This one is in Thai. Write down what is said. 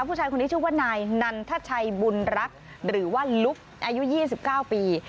ผู้ชายคนนี้ชื่อว่านายนันทชัยบุญรักษ์หรือว่าลุกอายุ๒๙ปี